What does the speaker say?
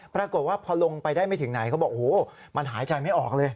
ปรากฏว่าพอลงไปได้ไม่ถึงไหนเขาบอกโอ้โหมันหายใจไม่ออกเลย